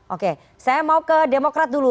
oke saya mau ke demokrat dulu